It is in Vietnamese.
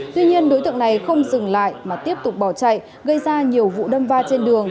tuy nhiên đối tượng này không dừng lại mà tiếp tục bỏ chạy gây ra nhiều vụ đâm va trên đường